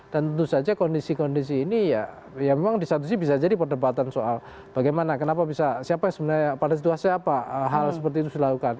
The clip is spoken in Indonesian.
dan tentu saja kondisi kondisi ini ya memang bisa jadi perdebatan soal bagaimana kenapa bisa siapa yang sebenarnya pada situasi apa hal seperti itu dilakukan